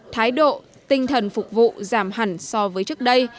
thái độ tinh thần phục vụ giảm hẳn so với trước đây